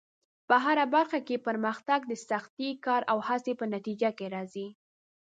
په هره برخه کې پرمختګ د سختې کار او هڅې په نتیجه کې راځي.